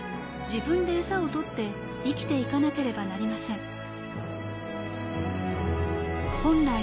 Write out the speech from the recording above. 自分で餌を取って生きていかなければなりません。